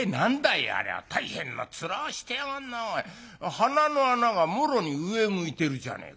鼻の穴がもろに上向いてるじゃねえか。